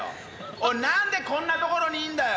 おいなんでこんな所にいるんだよ！